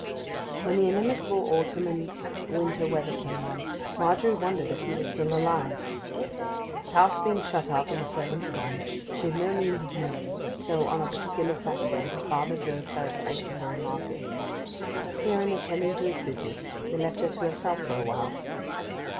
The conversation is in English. When the inimical autumn and winter weather came on, Margery wondered if he were still alive. The house being shut up, and the servants gone, she had no means of knowing, till, on a particular Saturday, her father drove her to Exonbury market. Here, in attending to his business, he left her to herself for awhile.